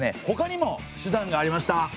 ほかにも手段がありました。